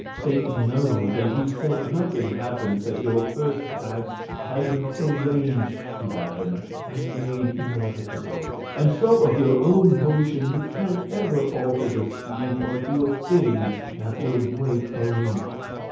Satan knows, and he said nothing happens that your first act hasn't arranged to happen and made inevitable; and so, of your own motion you can't ever alter the scheme or do a thing that will break a link.